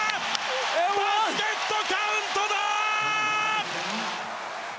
バスケットカウントだ！